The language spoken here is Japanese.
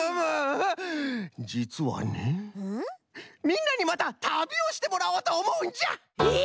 みんなにまた旅をしてもらおうとおもうんじゃ！え！？